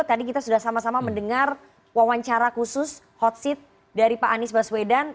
tadi kita sudah sama sama mendengar wawancara khusus hot seat dari pak anies baswedan